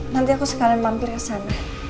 nanti aku sekalian mampir ke sana